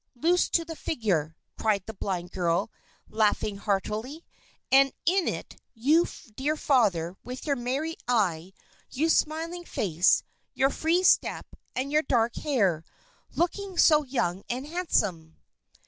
loose to the figure!" cried the blind girl, laughing heartily; "and in it, you, dear Father, with your merry eye, your smiling face, your free step, and your dark hair looking so young and handsome!"